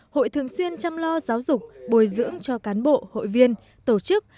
hội thường xuyên chăm lo giáo dục bồi dưỡng cho cán bộ hội viên tổ chức